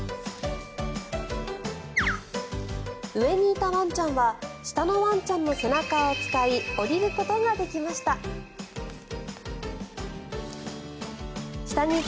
上にいたワンちゃんは下のワンちゃんの背中を使い下りることができました。